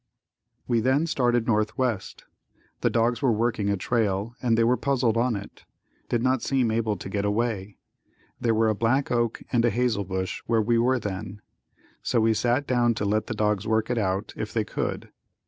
We then started northwest. The dogs were working a trail and they were puzzled on it; did not seem able to get away. There were a black oak and hazel bush where we were then, so we sat down to let the dogs work it out if they could.